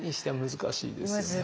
難しいですね。